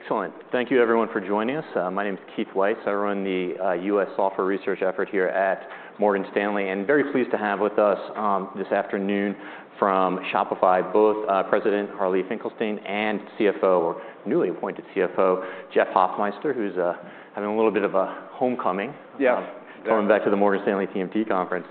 Excellent. Thank you everyone for joining us. My name is Keith Weiss. I run the U.S. Software Research effort here at Morgan Stanley. Very pleased to have with us this afternoon from Shopify, both President Harley Finkelstein and CFO, or newly appointed CFO, Jeff Hoffmeister, who's having a little bit of a homecoming. Yes. Definitely.... Coming back to the Morgan Stanley TMT Conference.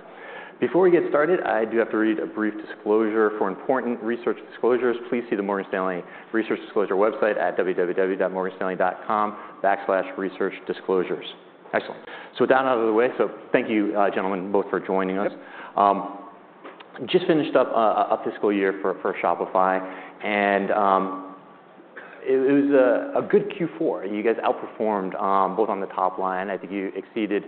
Before we get started, I do have to read a brief disclosure. For important research disclosures, please see the Morgan Stanley Research Disclosure website at www.morganstanley.com/researchdisclosures. Excellent. With that out of the way, so thank you, gentlemen, both for joining us. Yep. Just finished up a fiscal year for Shopify and it was a good Q4. You guys outperformed both on the top line. I think you exceeded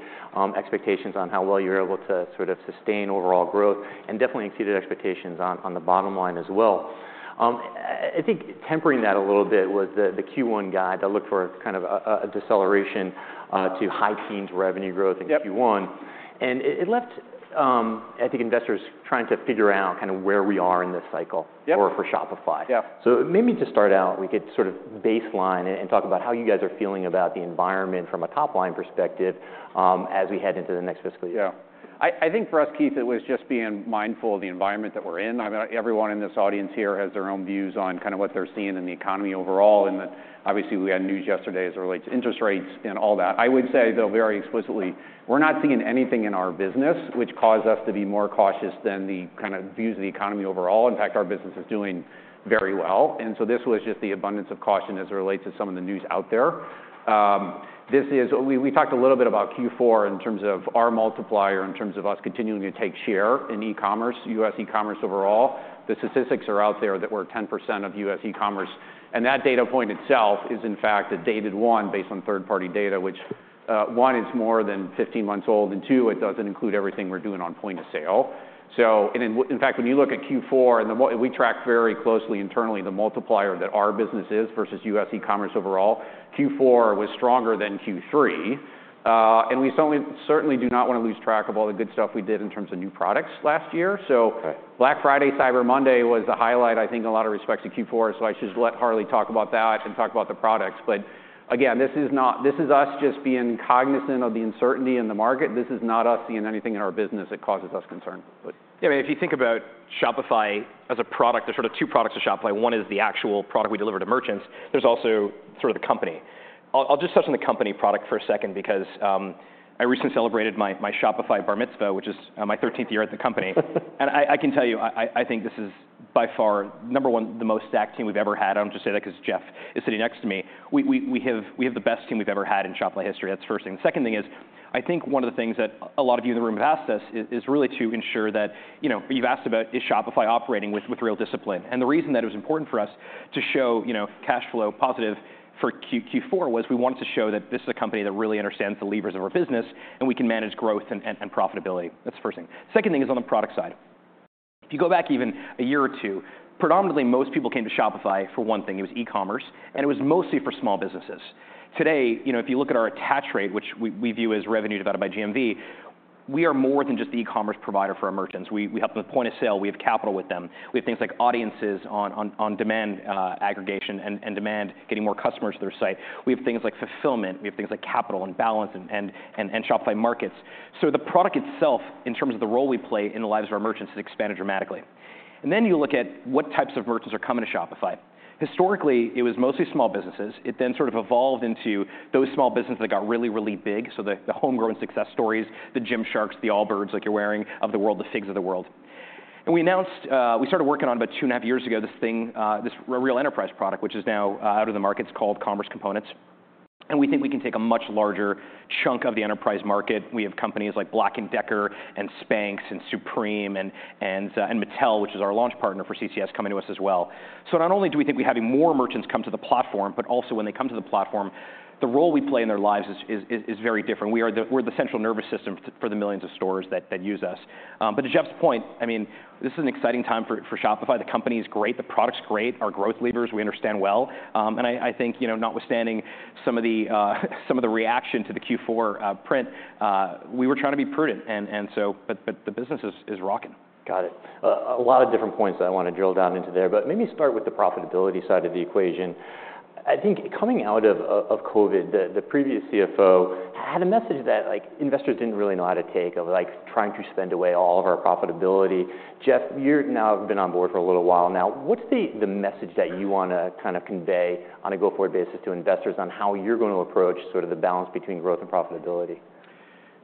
expectations on how well you were able to sort of sustain overall growth and definitely exceeded expectations on the bottom line as well. I think tempering that a little bit was the Q1 guide that looked for kind of a deceleration to high teens revenue growth in Q1. Yep. It left, I think investors trying to figure out kind of where we are in this cycle. Yep.... Or for Shopify. Yep. Maybe to start out, we could sort of baseline and talk about how you guys are feeling about the environment from a top-line perspective, as we head into the next fiscal year. Yeah. I think for us, Keith, it was just being mindful of the environment that we're in. I know everyone in this audience here has their own views on kind of what they're seeing in the economy overall. Obviously, we had news yesterday as it relates to interest rates and all that. I would say, though, very explicitly, we're not seeing anything in our business which caused us to be more cautious than the kind of views of the economy overall. In fact, our business is doing very well. This was just the abundance of caution as it relates to some of the news out there. This is. We talked a little bit about Q4 in terms of our multiplier, in terms of us continuing to take share in e-commerce, U.S. e-commerce overall. The statistics are out there that we're 10% of U.S. e-commerce, and that data point itself is, in fact, a dated one based on third-party data, which, one, is more than 15 months old, and two, it doesn't include everything we're doing on Point of Sale. In fact, when you look at Q4 and we track very closely internally the multiplier that our business is versus U.S. e-commerce overall. Q4 was stronger than Q3. We certainly do not wanna lose track of all the good stuff we did in terms of new products last year. Okay. Black Friday/Cyber Monday was the highlight, I think, in a lot of respects to Q4, so I should just let Harley talk about that and talk about the products. Again, this is not, this is us just being cognizant of the uncertainty in the market. This is not us seeing anything in our business that causes us concern. Good. If you think about Shopify as a product, there's sort of two products to Shopify. One is the actual product we deliver to merchants. There's also sort of the company. I'll just touch on the company product for a second because I recently celebrated my Shopify bar mitzvah, which is my thirteenth year at the company. I can tell you, I think this is by far, number one, the most stacked team we've ever had. I don't just say that because Jeff is sitting next to me. We have the best team we've ever had in Shopify history. That's the first thing. The second thing is, I think one of the things that a lot of you in the room have asked us is really to ensure that, you know, you've asked about is Shopify operating with real discipline. The reason that it was important for us to show, you know, cash flow positive for Q4 was we wanted to show that this is a company that really understands the levers of our business, and we can manage growth and profitability. That's the first thing. Second thing is on the product side. If you go back even a year or two, predominantly most people came to Shopify for one thing. It was e-commerce, and it was mostly for small businesses. Today, you know, if you look at our attach rate, which we view as revenue divided by GMV, we are more than just the e-commerce provider for our merchants. We help them with Point of Sale. We have capital with them. We have things like audiences on demand aggregation and demand, getting more customers to their site. We have things like fulfillment. We have things like capital and balance and Shopify Markets. The product itself, in terms of the role we play in the lives of our merchants, has expanded dramatically. You look at what types of merchants are coming to Shopify. Historically, it was mostly small businesses. It sort of evolved into those small businesses that got really, really big, so the homegrown success stories, the Gymshark, the Allbirds like you're wearing of the world, the FIGS of the world. We announced we started working on about 2.5 years ago, this thing, this real enterprise product, which is now out in the market. It's called Commerce Components, and we think we can take a much larger chunk of the enterprise market. We have companies like BLACK+DECKER and Spanx and Supreme and Mattel, which is our launch partner for CCS, coming to us as well. Not only do we think we're having more merchants come to the platform, but also when they come to the platform, the role we play in their lives is very different. We're the central nervous system for the millions of stores that use us. To Jeff's point, I mean, this is an exciting time for Shopify. The company is great. The product's great. Our growth levers we understand well. I think, you know, notwithstanding some of the reaction to the Q4 print, we were trying to be prudent. The business is rocking. Got it. A lot of different points that I wanna drill down into there, but maybe start with the profitability side of the equation. I think coming out of of COVID, the previous CFO had a message that, like, investors didn't really know how to take of, like, trying to spend away all of our profitability. Jeff, you're now been on board for a little while now. What's the message that you wanna kind of convey on a go-forward basis to investors on how you're going to approach sort of the balance between growth and profitability?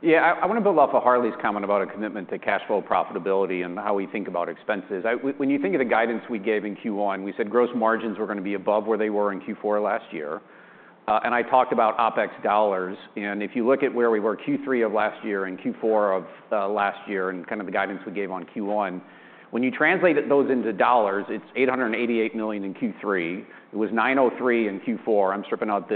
Yeah. I wanna build off of Harley's comment about a commitment to cash flow profitability and how we think about expenses. When you think of the guidance we gave in Q1, we said gross margins were gonna be above where they were in Q4 last year. I talked about OpEx dollars, and if you look at where we were Q3 of last year and Q4 of last year and kind of the guidance we gave on Q1, when you translate those into dollars, it's $888 million in Q3. It was $903 million in Q4. I'm stripping out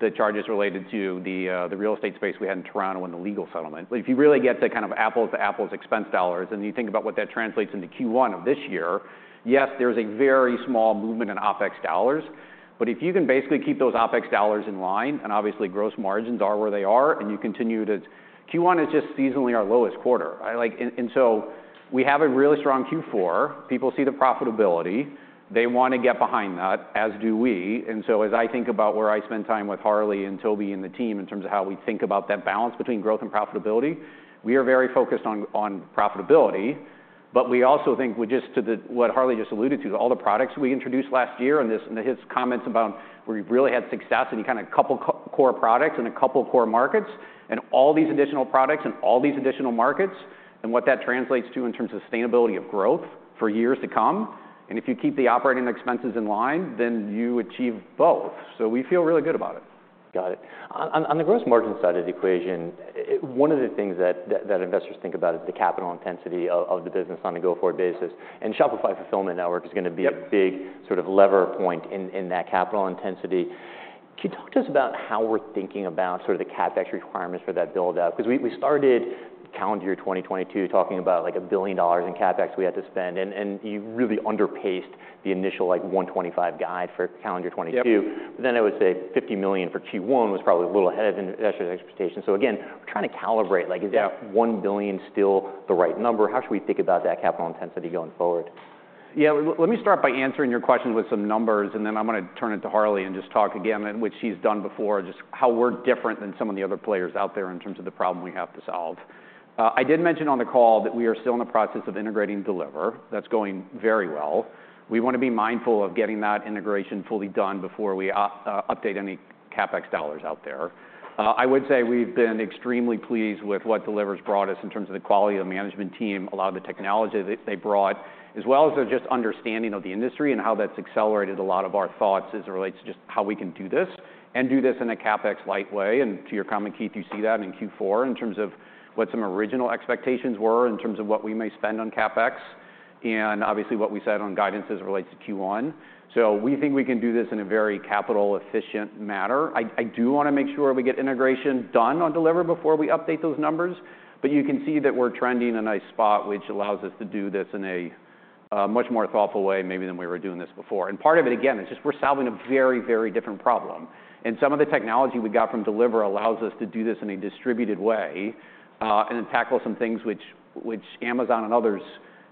the charges related to the real estate space we had in Toronto and the legal settlement. If you really get to kind of apples to apples expense dollars and you think about what that translates into Q1 of this year, yes, there's a very small movement in OpEx dollars. If you can basically keep those OpEx dollars in line, and obviously gross margins are where they are. Q1 is just seasonally our lowest quarter. We have a really strong Q4. People see the profitability. They wanna get behind that, as do we. As I think about where I spend time with Harley and Tobi and the team in terms of how we think about that balance between growth and profitability, we are very focused on profitability. We also think we just to what Harley just alluded to, all the products we introduced last year and this, his comments about where we've really had success in kind of couple core products in a couple core markets and all these additional products and all these additional markets, and what that translates to in terms of sustainability of growth for years to come. If you keep the operating expenses in line, then you achieve both. We feel really good about it. Got it. On the gross margin side of the equation, one of the things that investors think about is the capital intensity of the business on a go-forward basis. Shopify Fulfillment Network is going to. Yep.... A big sort of lever point in that capital intensity. Can you talk to us about how we're thinking about sort of the CapEx requirements for that build out? Because we started calendar year 2022 talking about like $1 billion in CapEx we had to spend and you really underpaced the initial like $125 million guide for calendar 2022. Yep. I would say $50 million for Q1 was probably a little ahead of in investors expectations. Again, I'm trying to calibrate. Yeah.... Is that $1 billion still the right number? How should we think about that capital intensity going forward? Let me start by answering your question with some numbers, and then I'm gonna turn it to Harley and just talk again, which he's done before, just how we're different than some of the other players out there in terms of the problem we have to solve. I did mention on the call that we are still in the process of integrating Deliverr. That's going very well. We want to be mindful of getting that integration fully done before we update any CapEx dollars out there. I would say we've been extremely pleased with what Deliverr's brought us in terms of the quality of the management team, a lot of the technology that they brought, as well as their just understanding of the industry and how that's accelerated a lot of our thoughts as it relates to just how we can do this and do this in a CapEx light way. To your comment, Keith, you see that in Q4 in terms of what some original expectations were in terms of what we may spend on CapEx, and obviously what we said on guidance as it relates to Q1. We think we can do this in a very capital efficient manner. I do wanna make sure we get integration done on Deliverr before we update those numbers, but you can see that we're trending in a nice spot, which allows us to do this in a much more thoughtful way maybe than we were doing this before. Part of it again is just we're solving a very, very different problem. Some of the technology we got from Deliverr allows us to do this in a distributed way, and then tackle some things which Amazon and others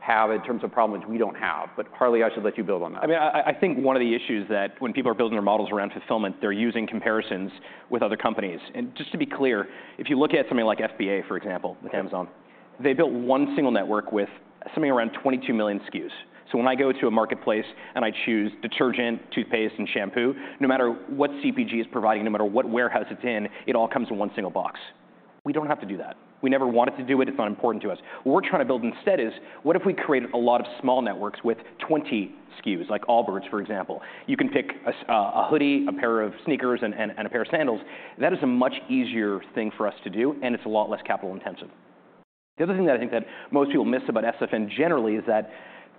have in terms of problems we don't have. Harley, I should let you build on that. I mean, I think one of the issues that when people are building their models around fulfillment, they're using comparisons with other companies. Just to be clear, if you look at something like FBA, for example. Okay.... With Amazon, they built one single network with something around 22 million SKUs. When I go to a marketplace and I choose detergent, toothpaste, and shampoo, no matter what CPG is providing, no matter what warehouse it's in, it all comes in one single box. We don't have to do that. We never wanted to do it. It's not important to us. What we're trying to build instead is what if we created a lot of small networks with 20 SKUs, like Allbirds, for example. You can pick a hoodie, a pair of sneakers, and a pair of sandals. That is a much easier thing for us to do, and it's a lot less capital intensive. The other thing that I think that most people miss about SFN generally is that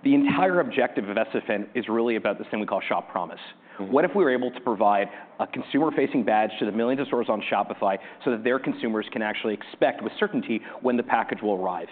the entire objective of SFN is really about this thing we call Shop Promise. Mm-hmm. What if we were able to provide a consumer-facing badge to the millions of stores on Shopify so that their consumers can actually expect with certainty when the package will arrive?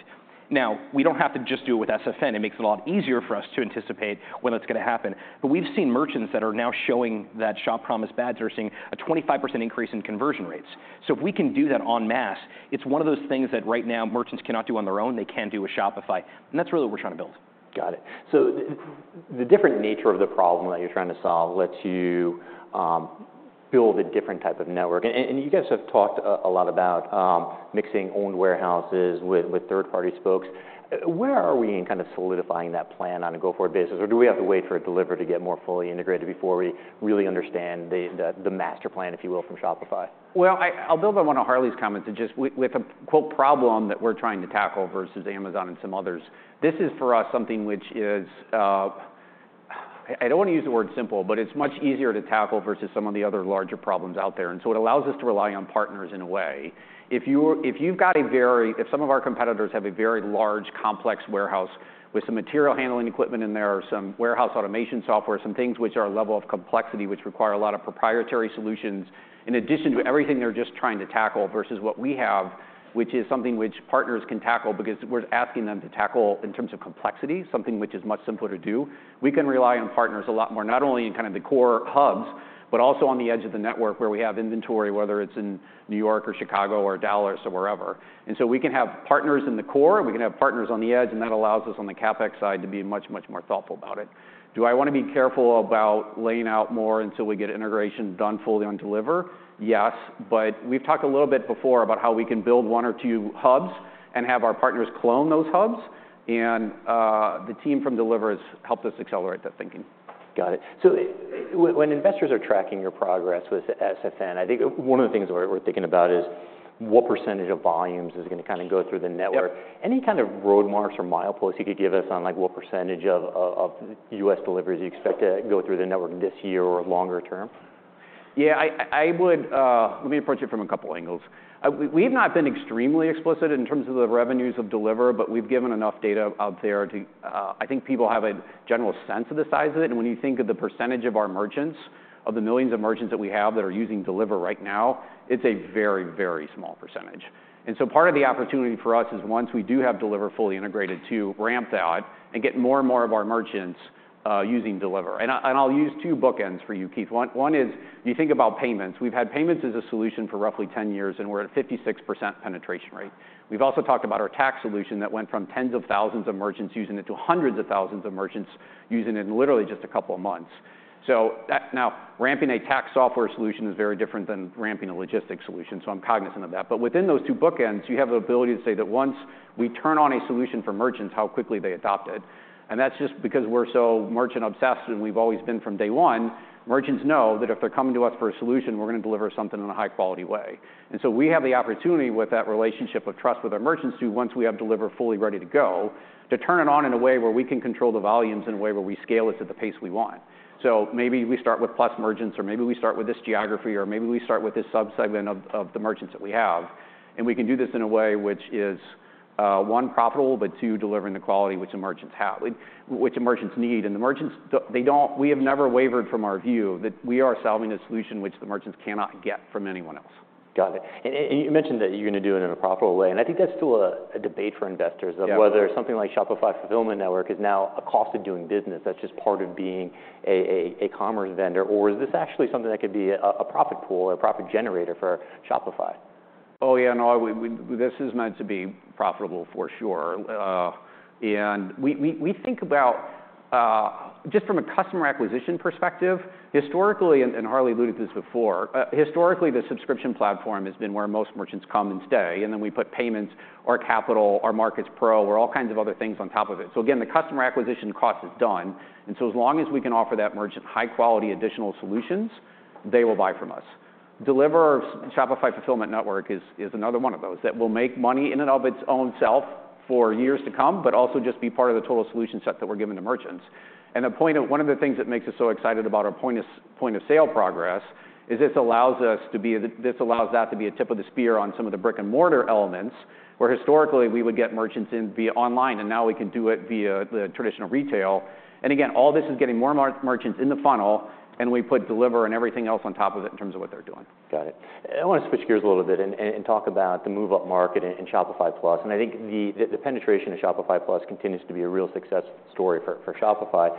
We don't have to just do it with SFN. It makes it a lot easier for us to anticipate when it's gonna happen. We've seen merchants that are now showing that Shop Promise badge are seeing a 25% increase in conversion rates. If we can do that en masse, it's one of those things that right now merchants cannot do on their own, they can do with Shopify, and that's really what we're trying to build. Got it. The different nature of the problem that you're trying to solve lets you build a different type of network. You guys have talked a lot about mixing owned warehouses with third-party spokes. Where are we in kind of solidifying that plan on a go-forward basis? Do we have to wait for Deliverr to get more fully integrated before we really understand the master plan, if you will, from Shopify? I'll build on one of Harley's comments and just with a quote "problem" that we're trying to tackle versus Amazon and some others, this is for us something which is, I don't want to use the word simple, but it's much easier to tackle versus some of the other larger problems out there, and so it allows us to rely on partners in a way. If some of our competitors have a very large, complex warehouse with some material handling equipment in there or some warehouse automation software, some things which are a level of complexity which require a lot of proprietary solutions in addition to everything they're just trying to tackle versus what we have, which is something which partners can tackle because we're asking them to tackle in terms of complexity, something which is much simpler to do. We can rely on partners a lot more, not only in kind of the core hubs, but also on the edge of the network where we have inventory, whether it's in New York or Chicago or Dallas or wherever. We can have partners in the core, we can have partners on the edge, and that allows us on the CapEx side to be much, much more thoughtful about it. Do I wanna be careful about laying out more until we get integration done fully on Deliverr? Yes. We've talked a little bit before about how we can build one or two hubs and have our partners clone those hubs and the team from Deliverr has helped us accelerate that thinking. Got it. When investors are tracking your progress with SFN, I think one of the things we're thinking about is what percentage of volumes is gonna kind of go through the network. Yep. Any kind of road marks or mileposts you could give us on like what percentage of U.S. deliveries you expect to go through the network this year or longer term? Yeah. I would, let me approach it from a couple angles. We've not been extremely explicit in terms of the revenues of Deliverr, but we've given enough data out there to, I think people have a general sense of the size of it. When you think of the percentage of our merchants, of the millions of merchants that we have that are using Deliverr right now, it's a very, very small percentage. Part of the opportunity for us is once we do have Deliverr fully integrated to ramp that and get more and more of our merchants, using Deliverr. I'll use two bookends for you, Keith. One is you think about payments. We've had payments as a solution for roughly 10 years, and we're at a 56% penetration rate. We've also talked about our tax solution that went from tens of thousands of merchants using it to hundreds of thousands of merchants using it in literally just a couple of months. That's now ramping a tax software solution is very different than ramping a logistics solution. I'm cognizant of that. Within those two bookends, you have the ability to say that once we turn on a solution for merchants, how quickly they adopt it. That's just because we're so merchant-obsessed, and we've always been from day one. Merchants know that if they're coming to us for a solution, we're gonna deliver something in a high-quality way. We have the opportunity with that relationship of trust with our merchants to, once we have Deliverr fully ready to go, to turn it on in a way where we can control the volumes in a way where we scale it to the pace we want. Maybe we start with plus merchants, or maybe we start with this geography, or maybe we start with this sub-segment of the merchants that we have, and we can do this in a way which is one, profitable, but two, delivering the quality which the merchants have, which the merchants need. The merchants, we have never wavered from our view that we are selling a solution which the merchants cannot get from anyone else. Got it. You mentioned that you're gonna do it in a profitable way, and I think that's still a debate for investors. Yeah. Of whether something like Shopify Fulfillment Network is now a cost of doing business, that's just part of being an e-commerce vendor, or is this actually something that could be a profit pool or a profit generator for Shopify? Oh, yeah, no, we, this is meant to be profitable for sure. We think about just from a customer acquisition perspective, historically, and Harley alluded to this before, historically the subscription platform has been where most merchants come and stay, and then we put payments or capital or Markets Pro or all kinds of other things on top of it. Again, the customer acquisition cost is done, as long as we can offer that merchant high-quality additional solutions, they will buy from us. Deliverr Shopify Fulfillment Network is another one of those that will make money in and of its own self for years to come, but also just be part of the total solution set that we're giving to merchants. The point of one of the things that makes us so excited about our Point of Sale progress is this allows us to be the, this allows that to be a tip of the spear on some of the brick-and-mortar elements, where historically we would get merchants in via online, and now we can do it via the traditional retail. Again, all this is getting more merchants in the funnel, and we put Deliverr and everything else on top of it in terms of what they're doing. Got it. I wanna switch gears a little bit and talk about the move-upmarket in Shopify Plus, and I think the penetration of Shopify Plus continues to be a real success story for Shopify.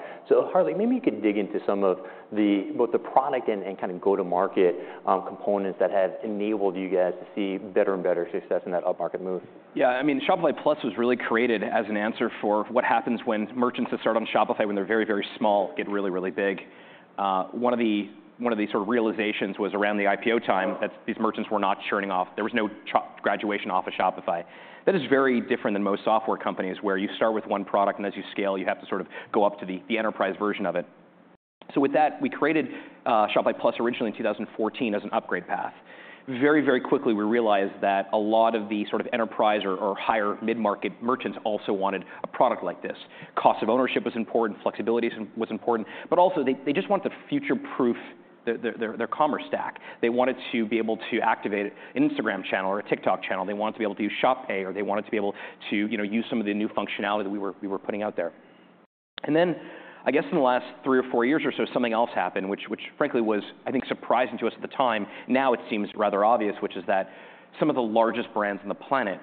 Harley, maybe you could dig into some of the, both the product and kind of go-to-market components that have enabled you guys to see better and better success in that upmarket move. Yeah, I mean, Shopify Plus was really created as an answer for what happens when merchants that start on Shopify when they're very, very small get really, really big. One of the sort of realizations was around the IPO time that these merchants were not churning off. There was no graduation off of Shopify. That is very different than most software companies, where you start with one product, as you scale, you have to sort of go up to the enterprise version of it. With that, we created Shopify Plus originally in 2014 as an upgrade path. Very, very quickly we realized that a lot of the sort of enterprise or higher mid-market merchants also wanted a product like this. Cost of ownership was important, flexibility was important, but also they just want to future-proof their commerce stack. They wanted to be able to activate an Instagram channel or a TikTok channel. They wanted to be able to use Shop Pay, or they wanted to be able to, you know, use some of the new functionality we were putting out there. Then I guess in the last three or four years or so, something else happened, which frankly was, I think, surprising to us at the time. Now it seems rather obvious, which is that some of the largest brands on the planet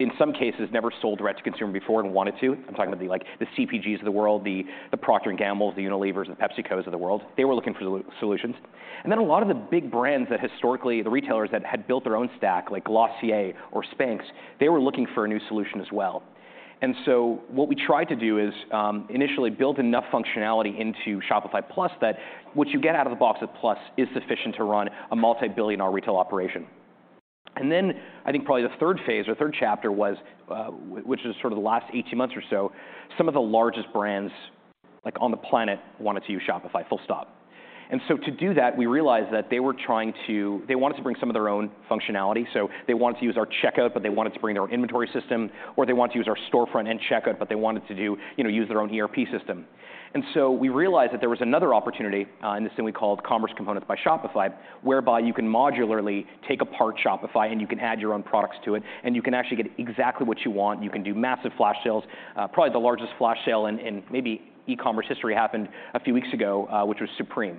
in some cases never sold direct-to-consumer before and wanted to. I'm talking about the like the CPGs of the world, the Procter & Gamble, the Unilever, the PepsiCo of the world. They were looking for solutions. A lot of the big brands that historically, the retailers that had built their own stack, like Glossier or Spanx, they were looking for a new solution as well. What we tried to do is initially build enough functionality into Shopify Plus that what you get out of the box with Plus is sufficient to run a multibillion-dollar retail operation. I think probably the third phase or third chapter was, which is sort of the last 18 months or so, some of the largest brands, like, on the planet wanted to use Shopify, full stop. To do that, we realized that they wanted to bring some of their own functionality, so they wanted to use our checkout, but they wanted to bring their inventory system, or they wanted to use our storefront and checkout, but they wanted to do, you know, use their own ERP system. We realized that there was another opportunity in this thing we called Commerce Components by Shopify, whereby you can modularly take apart Shopify, and you can add your own products to it, and you can actually get exactly what you want. You can do massive flash sales. Probably the largest flash sale in maybe e-commerce history happened a few weeks ago, which was Supreme,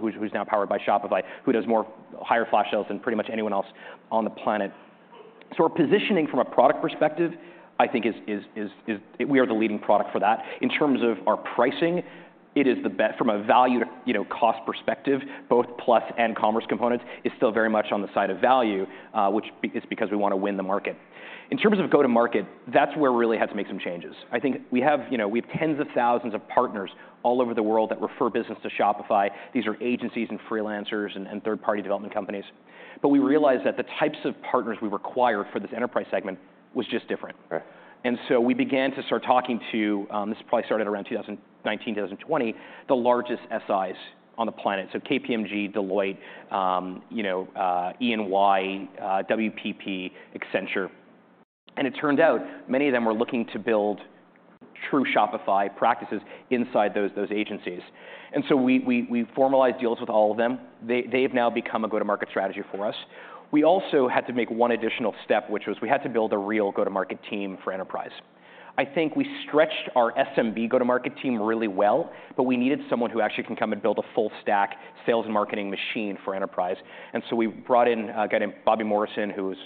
which is now powered by Shopify, who does more higher flash sales than pretty much anyone else on the planet. Our positioning from a product perspective, I think is, we are the leading product for that. In terms of our pricing, it is the from a value to, you know, cost perspective, both Plus and Commerce Components is still very much on the side of value, which it's because we wanna win the market. In terms of go-to-market, that's where we really had to make some changes. I think we have, you know, we have 10s of thousands of partners all over the world that refer business to Shopify. These are agencies and freelancers and third-party development companies. We realized that the types of partners we require for this enterprise segment was just different. Right. We began to start talking to, this probably started around 2019, 2020, the largest SIs on the planet, so KPMG, Deloitte, EY, WPP, Accenture. It turned out many of them were looking to build true Shopify practices inside those agencies. We formalized deals with all of them. They've now become a go-to-market strategy for us. We also had to make one additional step, which was we had to build a real go-to-market team for enterprise. I think we stretched our SMB go-to-market team really well, but we needed someone who actually can come and build a full stack sales and marketing machine for enterprise. We brought in a guy named Bobby Morrison, who was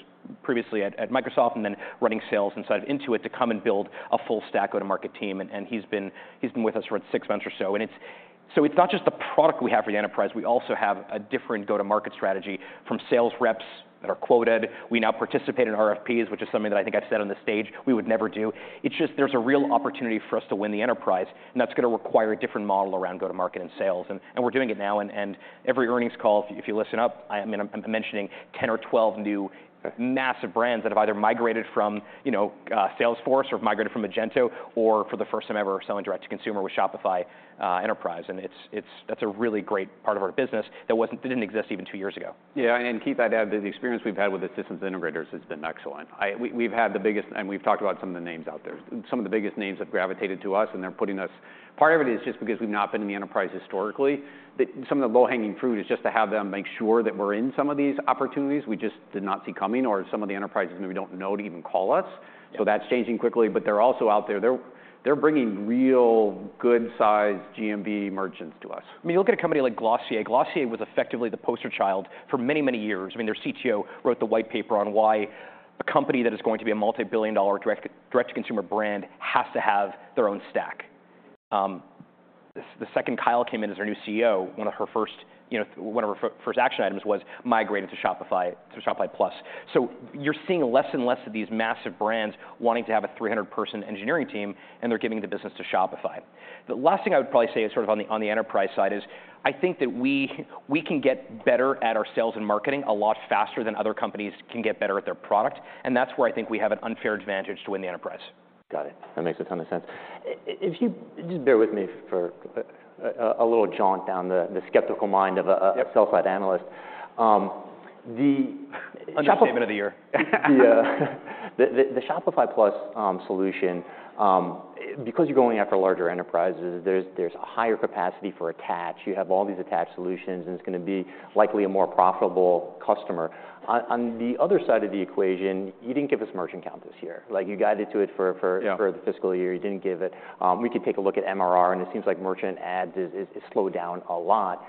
previously at Microsoft and then running sales inside of Intuit, to come and build a full stack go-to-market team, and he's been with us for six months or so. It's not just the product we have for the enterprise, we also have a different go-to-market strategy from sales reps that are quoted. We now participate in RFPs, which is something that I think I've said on this stage we would never do. It's just there's a real opportunity for us to win the enterprise, and that's gonna require a different model around go-to-market and sales. We're doing it now, and every earnings call, if you listen up, I mean, I'm mentioning 10 or 12 new massive brands that have either migrated from, you know, Salesforce or have migrated from Magento or for the first time ever are selling direct-to-consumer with Shopify Enterprise. That's a really great part of our business that wasn't didn't exist even two years ago. Yeah. Keith, I'd add that the experience we've had with the systems integrators has been excellent. We've had the biggest, and we've talked about some of the names out there. Some of the biggest names have gravitated to us, and they're putting us. Part of it is just because we've not been in the enterprise historically, that some of the low-hanging fruit is just to have them make sure that we're in some of these opportunities we just did not see coming, or some of the enterprises maybe don't know to even call us. Yeah. That's changing quickly, but they're also out there. They're bringing real good-sized GMV merchants to us. I mean, you look at a company like Glossier. Glossier was effectively the poster child for many, many years. I mean, their CTO wrote the white paper on why a company that is going to be a multi-billion dollar direct-to-consumer brand has to have their own stack. The second Kyle came in as their new CEO, one of her first, you know, first action items was migrate into Shopify, through Shopify Plus. You're seeing less and less of these massive brands wanting to have a 300 person engineering team, and they're giving the business to Shopify. The last thing I would probably say is sort of on the enterprise side is I think that we can get better at our sales and marketing a lot faster than other companies can get better at their product, and that's where I think we have an unfair advantage to win the enterprise. Got it. That makes a ton of sense. If you just bear with me for a little jaunt down the skeptical mind of a. Yep.... Sell-side analyst. Understatement of the year. Yeah. The Shopify Plus solution, because you're going after larger enterprises, there's a higher capacity for attach. You have all these attached solutions, and it's gonna be likely a more profitable customer. The other side of the equation, you didn't give us merchant count this year. Like, you guided to it. Yeah.... For the fiscal year. You didn't give it. We could take a look at MRR, and it seems like merchant adds has slowed down a lot.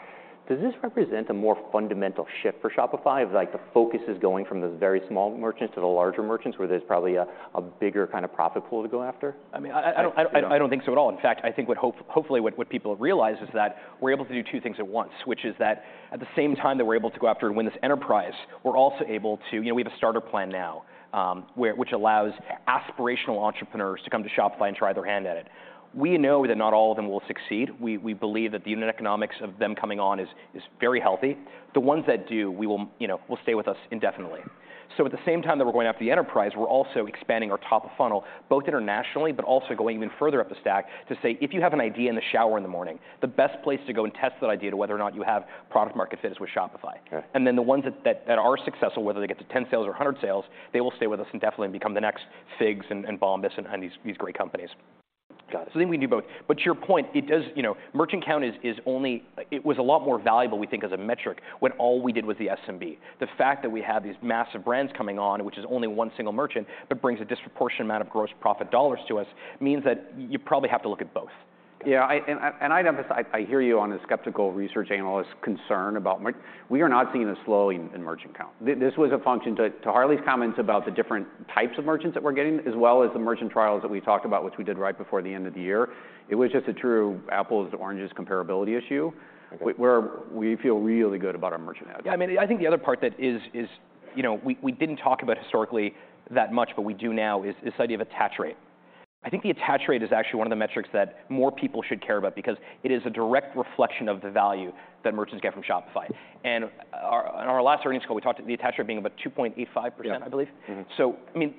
Does this represent a more fundamental shift for Shopify of, like, the focus is going from those very small merchants to the larger merchants where there's probably a bigger kind of profit pool to go after? I mean, I don't think so at all. In fact, I think hopefully what people have realized is that we're able to do two things at once, which is that at the same time that we're able to go after and win this enterprise, we're also able to. You know, we have a starter plan now, which allows aspirational entrepreneurs to come to Shopify and try their hand at it. We know that not all of them will succeed. We believe that the unit economics of them coming on is very healthy. The ones that do, we will, you know, stay with us indefinitely. At the same time that we're going after the enterprise, we're also expanding our top of funnel, both internationally, but also going even further up the stack to say, "If you have an idea in the shower in the morning, the best place to go and test that idea to whether or not you have product market fit is with Shopify. Okay. The ones that are successful, whether they get to 10 sales or 100 sales, they will stay with us indefinitely and become the next FIGS and Bombas and these great companies. Got it. I think we can do both. To your point, it does, you know, merchant count is only it was a lot more valuable, we think, as a metric when all we did was the SMB. The fact that we have these massive brands coming on, which is only one single merchant, but brings a disproportionate amount of gross profit dollars to us, means that you probably have to look at both. Yeah. I'd emphasize, I hear you on the skeptical research analyst concern about mer. We are not seeing a slow in merchant count. This was a function, to Harley's comments about the different types of merchants that we're getting as well as the merchant trials that we talked about, which we did right before the end of the year, it was just a true apples to oranges comparability issue. Okay. We feel really good about our merchant adds. Yeah. I mean, I think the other part that is, you know, we didn't talk about historically that much, but we do now, is this idea of attach rate. I think the attach rate is actually one of the metrics that more people should care about because it is a direct reflection of the value that merchants get from Shopify. In our last earnings call, we talked the attach rate being about 2.85%, I believe. Mm-hmm. I mean,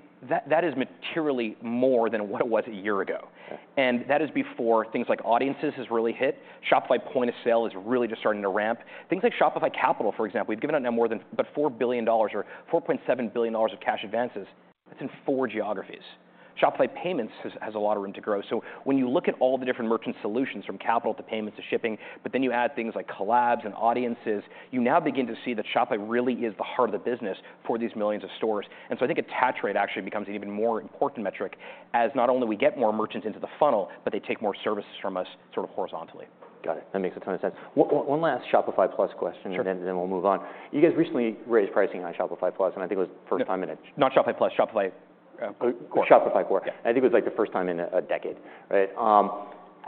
that is materially more than what it was a year ago. Okay. That is before things like Audiences has really hit. Shopify Point of Sale is really just starting to ramp. Things like Shopify Capital, for example. We've given out now more than about $4 billion or $4.7 billion of cash advances. That's in four geographies. Shopify Payments has a lot of room to grow. When you look at all the different merchant solutions from Capital to Payments to Shipping, but then you add things like Collabs and Audiences, you now begin to see that Shopify really is the heart of the business for these millions of stores. I think attach rate actually becomes an even more important metric as not only we get more merchants into the funnel, but they take more services from us sort of horizontally. Got it. That makes a ton of sense. One last Shopify Plus question. Sure. Then we'll move on. You guys recently raised pricing on Shopify Plus, I think it was the first time in Not Shopify Plus, Shopify, Core. Shopify Core. Yeah. I think it was like the first time in a decade, right?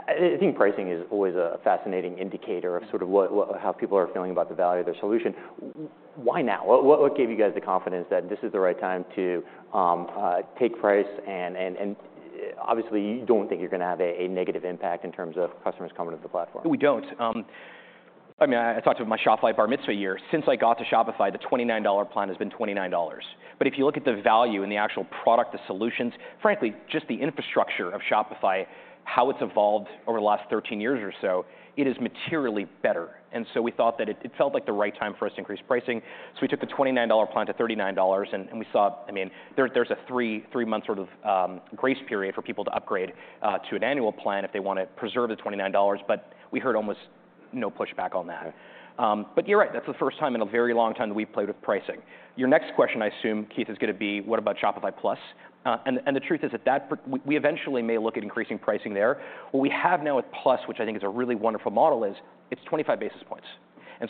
I think pricing is always a fascinating indicator of sort of what, how people are feeling about the value of their solution. Why now? What gave you guys the confidence that this is the right time to take price and obviously you don't think you're gonna have a negative impact in terms of customers coming to the platform? We don't. I mean, I talked to my Shopify bar mitzvah year. Since I got to Shopify, the $29 plan has been $29. If you look at the value and the actual product, the solutions, frankly, just the infrastructure of Shopify, how it's evolved over the last 13 years or so, it is materially better. We thought that it felt like the right time for us to increase pricing. We took the $29 plan to $39, and we saw, I mean, there's a three-month sort of grace period for people to upgrade to an annual plan if they wanna preserve the $29. We heard almost no pushback on that. Okay. You're right, that's the first time in a very long time that we've played with pricing. Your next question, I assume, Keith, is going to be what about Shopify Plus? The truth is we eventually may look at increasing pricing there. What we have now with Plus, which I think is a really wonderful model, is it's 25 basis points.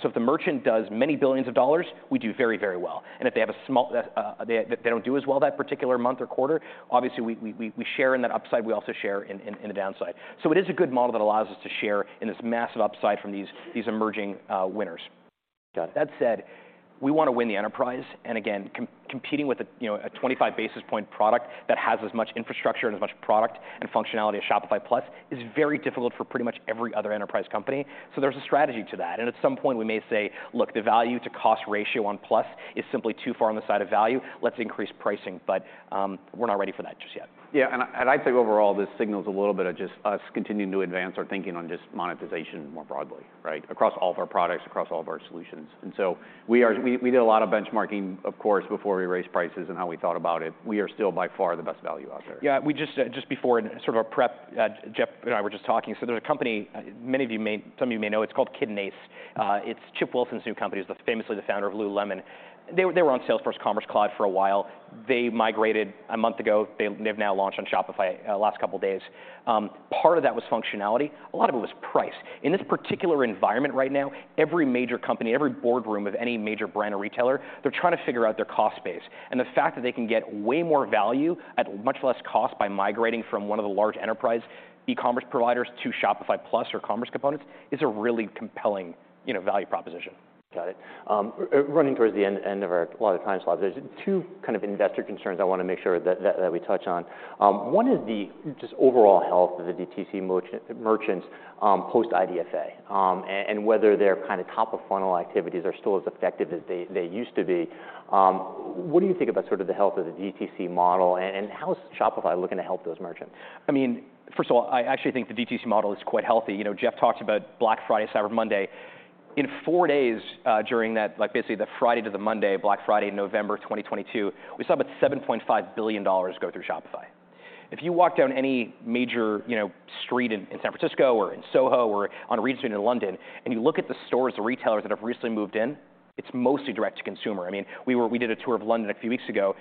So if the merchant does many billions of dollars, we do very, very well. If they have a small, they don't do as well that particular month or quarter, obviously we share in that upside, we also share in the downside. So it is a good model that allows us to share in this massive upside from these emerging winners. That said, we want to win the enterprise. Again, competing with a, you know, a 25 basis point product that has as much infrastructure and as much product and functionality as Shopify Plus is very difficult for pretty much every other enterprise company. There's a strategy to that, and at some point we may say, "Look, the value to cost ratio on Plus is simply too far on the side of value. Let's increase pricing." We're not ready for that just yet. Yeah. I think overall this signals a little bit of just us continuing to advance our thinking on monetization more broadly. Across all of our products, across all of our solutions. We did a lot of benchmarking, of course, before we raised prices and how we thought about it. We are still by far the best value out there. Yeah. We just before in sort of our prep, Jeff and I were just talking. There's a company, many of you, some of you may know, it's called Kit and Ace. It's Chip Wilson's new company. He's famously the Founder of Lululemon. They were on Salesforce Commerce Cloud for a while. They migrated a month ago. They've now launched on Shopify, last couple days. Part of that was functionality, a lot of it was price. In this particular environment right now, every major company, every boardroom of any major brand or retailer, they're trying to figure out their cost base. The fact that they can get way more value at much less cost by migrating from one of the large enterprise e-commerce providers to Shopify Plus or Commerce Components is a really compelling, you know, value proposition. Got it. running towards the end of our allotted time slot. There's two kind of investor concerns I wanna make sure that we touch on. One is the just overall health of the DTC merchants, post-IDFA, and whether their kinda top-of-funnel activities are still as effective as they used to be. What do you think about sort of the health of the DTC model and how is Shopify looking to help those merchants? I mean, first of all, I actually think the DTC model is quite healthy. You know, Jeff talked about Black Friday, Cyber Monday. In four days, during that, like basically the Friday to the Monday, Black Friday, November 2022, we saw about $7.5 billion go through Shopify. If you walk down any major, you know, street in San Francisco or in SoHo or on a Regent Street in London, and you look at the stores or retailers that have recently moved in, it's mostly direct-to-consumer. I mean, we did a tour of London a few weeks ago.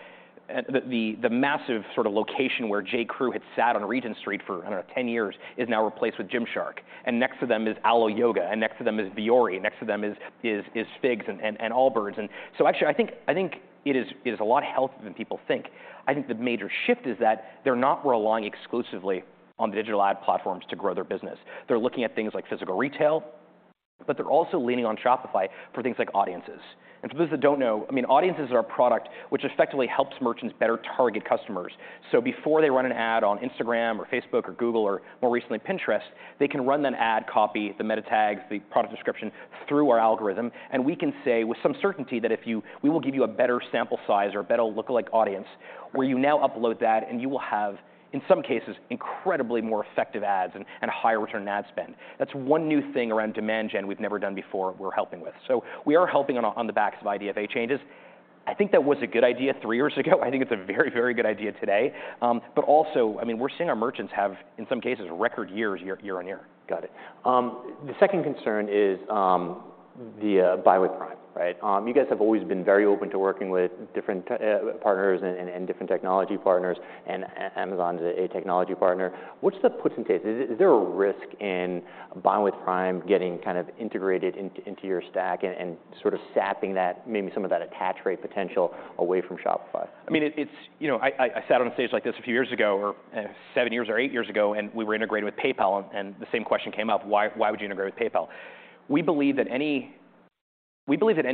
The massive sort of location where J.Crew had sat on Regent Street for, I don't know, 10 years is now replaced with Gymshark. Next to them is Alo Yoga, next to them is Vuori, next to them is FIGS and Allbirds. Actually I think it is a lot healthier than people think. I think the major shift is that they're not relying exclusively on digital ad platforms to grow their business. They're looking at things like physical retail, but they're also leaning on Shopify for things like Audiences. For those that don't know, I mean, Audiences are a product which effectively helps merchants better target customers. Before they run an ad on Instagram or Facebook or Google or more recently Pinterest, they can run that ad, copy the meta tags, the product description, through our algorithm, and we can say with some certainty that we will give you a better sample size or a better lookalike audience, where you now upload that and you will have, in some cases, incredibly more effective ads and higher return on ad spend. That's one new thing around demand gen we've never done before we're helping with. We are helping on the backs of IDFA changes. I think that was a good idea three years ago. I think it's a very good idea today. Also, I mean, we're seeing our merchants have, in some cases, record years year-on-year. Got it. The second concern is the Buy with Prime, right? You guys have always been very open to working with different partners and different technology partners. Amazon's a technology partner. What's the puts and takes? Is there a risk in Buy with Prime getting kind of integrated into your stack and sort of sapping that, maybe some of that attach rate potential away from Shopify? I mean, it's, you know, I sat on a stage like this a few years ago or seven years or eight years ago, we were integrating with PayPal and the same question came up, "Why would you integrate with PayPal?" We believe that any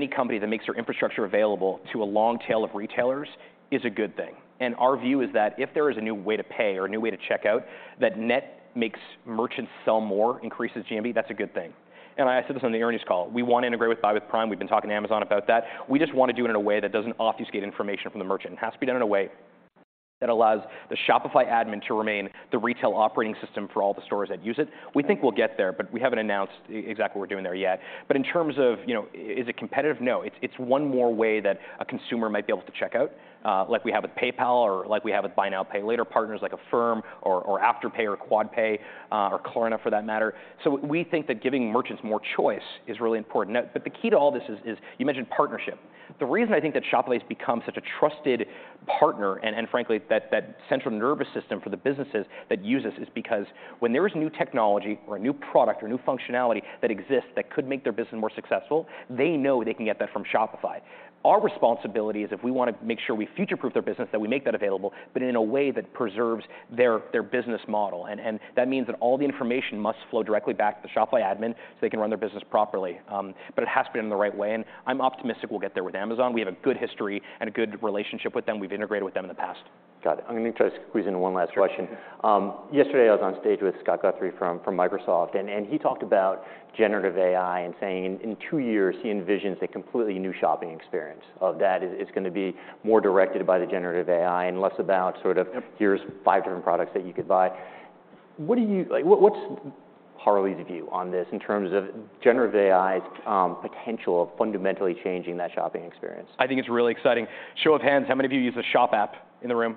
company that makes their infrastructure available to a long tail of retailers is a good thing. Our view is that if there is a new way to pay or a new way to check out, that net makes merchants sell more, increases GMV, that's a good thing. I said this on the earnings call. We want to integrate with Buy with Prime. We've been talking to Amazon about that. We just want to do it in a way that doesn't obfuscate information from the merchant. It has to be done in a way that allows the Shopify admin to remain the retail operating system for all the stores that use it. We think we'll get there, but we haven't announced exactly what we're doing there yet. In terms of, you know, is it competitive? No. It's one more way that a consumer might be able to check out, like we have with PayPal, or like we have with buy now, pay later partners like Affirm or Afterpay or QuadPay or Klarna for that matter. We think that giving merchants more choice is really important. The key to all this is you mentioned partnership. The reason I think that Shopify's become such a trusted partner and frankly that central nervous system for the businesses that use us is because when there is new technology or a new product or new functionality that exists that could make their business more successful, they know they can get that from Shopify. Our responsibility is if we wanna make sure we future-proof their business, that we make that available, but in a way that preserves their business model. That means that all the information must flow directly back to the Shopify admin so they can run their business properly. It has to be done the right way, and I'm optimistic we'll get there with Amazon. We have a good history and a good relationship with them. We've integrated with them in the past. Got it. I'm gonna try to squeeze in one last question. Yesterday I was on stage with Scott Guthrie from Microsoft, and he talked about generative AI and saying in two years he envisions a completely new shopping experience of that. It's gonna be more directed by the generative AI and less about. Yep.... Here's five different products that you could buy. Like, what's Harley's view on this in terms of generative AI's potential of fundamentally changing that shopping experience? I think it's really exciting. Show of hands, how many of you use the Shop app in the room?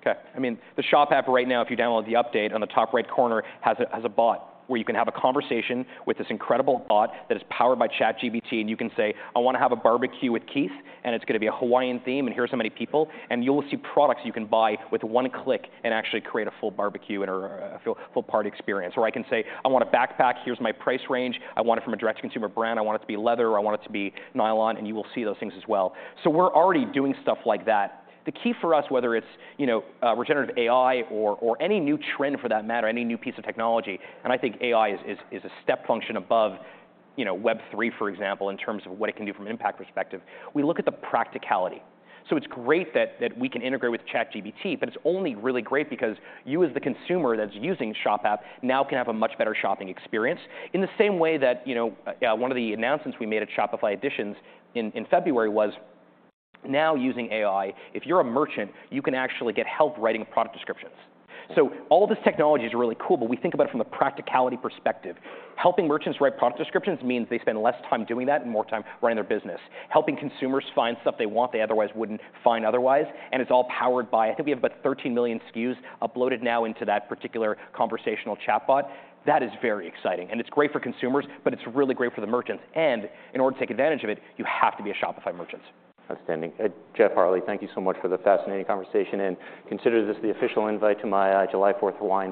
Okay. I mean, the Shop app right now if you download the update on the top right corner has a bot where you can have a conversation with this incredible bot that is powered by ChatGPT. You can say, "I wanna have a barbecue with Keith, and it's gonna be a Hawaiian theme, and here are so many people." You will see products you can buy with one click and actually create a full barbecue and a full party experience. I can say, "I want a backpack. Here's my price range. I want it from a direct-to-consumer brand. I want it to be leather, or I want it to be nylon." You will see those things as well. We're already doing stuff like that. The key for us, whether it's, you know, generative AI or any new trend for that matter, any new piece of technology, and I think AI is a step function above, you know, Web3, for example, in terms of what it can do from an impact perspective. We look at the practicality. It's great that we can integrate with ChatGPT, but it's only really great because you as the consumer that's using Shop app now can have a much better shopping experience. In the same way that, you know, one of the announcements we made at Shopify Editions in February was now using AI, if you're a merchant, you can actually get help writing product descriptions. All this technology is really cool, but we think about it from the practicality perspective. Helping merchants write product descriptions means they spend less time doing that and more time running their business. Helping consumers find stuff they want they otherwise wouldn't find otherwise, and it's all powered by I think we have about 13 million SKUs uploaded now into that particular conversational chatbot. That is very exciting, and it's great for consumers, but it's really great for the merchants. In order to take advantage of it, you have to be a Shopify merchant. Outstanding. Jeff, Harley, thank you so much for the fascinating conversation. Consider this the official invite to my July 4th Hawaiian-